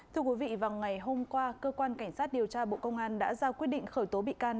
thưa quý vị vào ngày hôm qua cơ quan cảnh sát điều tra bộ công an đã ra quyết định khởi tố bị can